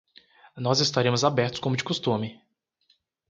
Nós estaremos abertos como de costume.